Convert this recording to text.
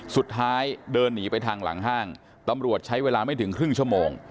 สุดท้ายเดินหนีไปทางหลังห้างตำรวจใช้เวลาไม่ถึงครึ่งชั่วโมง